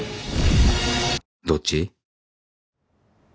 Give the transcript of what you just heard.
どっち？